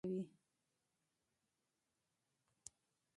د ایران پاچا د خپلو جنرالانو سره خبرې کوي.